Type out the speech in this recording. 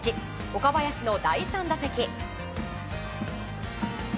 岡林の第３打席。